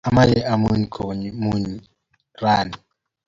Amache amuny komnye rani